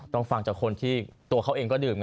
ต้องฟังจากคนที่ตัวเองก็ดื่ม